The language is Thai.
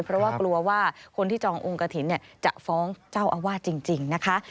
เพราะว่ากลัวว่าคนที่จององค์กระถิ่นจะฟ้องเจ้าอาวาสจริงนะคะ